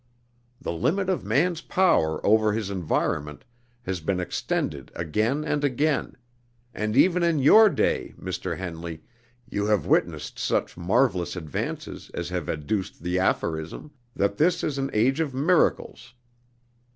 The limit of man's power over his environment has been extended again and again; and even in your day, Mr. Henley, you have witnessed such marvelous advances as have adduced the aphorism, that this is an age of miracles.